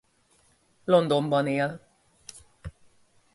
Londonban él.